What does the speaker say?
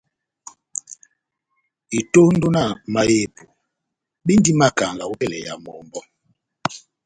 Etondo na mahepo bendi makanga ópɛlɛ ya mɔmbɔ́.